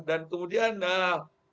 dan kemudian nah